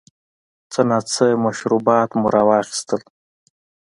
څه ناڅه مشروبات مو را واخیستل.